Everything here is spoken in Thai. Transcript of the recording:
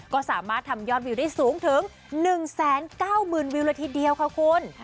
ก็สามารถทำยอดวิวได้สูงถึง๑๙๐๐๐วิวเลยทีเดียวค่ะคุณ